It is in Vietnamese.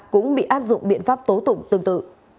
cũng bị áp dụng biện pháp tố tụng tương tự